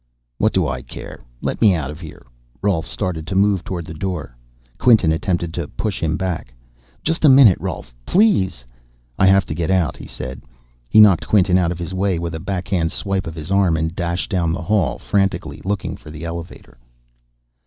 "What do I care? Let me out of here." Rolf started to move toward the door. Quinton attempted to push him back. "Just a minute, Rolf. Please!" "I have to get out," he said. He knocked Quinton out of his way with a backhand swipe of his arm and dashed down the hall frantically, looking for the elevator.